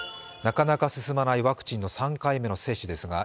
なかなか進まないワクチンの３回目の接種ですｇ